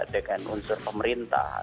dengan unsur pemerintah